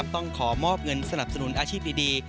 ต้องขอมอบเงินสนับสนุนอาชีพดี